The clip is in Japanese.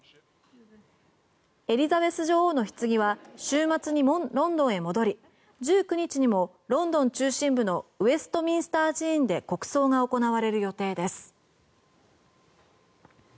エリザベス女王のひつぎは週末にロンドンへ戻り１９日にもロンドン中心部のウェストミンスター寺院で国葬が行われる予定です。